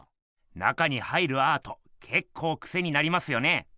中に入るアートけっこうクセになりますよね？